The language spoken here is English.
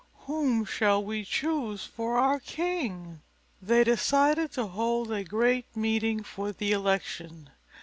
Whom shall we choose for our king?" They decided to hold a great meeting for the election.